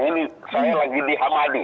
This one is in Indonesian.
ini saya lagi di hamadi